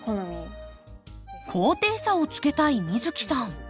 高低差をつけたい美月さん。